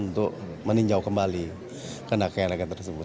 untuk meninjau kembali kena kaya kaya tersebut